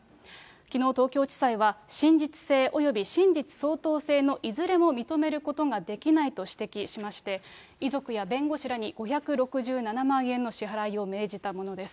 きのう、東京地裁は、真実性及び真実相当性のいずれも認めることができないと指摘しまして、遺族や弁護士らに５６７万円の支払いを命じたものです。